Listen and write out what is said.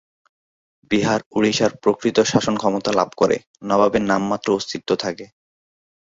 বিহার-ওড়িশার প্রকৃত শাসন ক্ষমতা লাভ করে, নবাবের নামমাত্র অস্তিত্ব থাকে।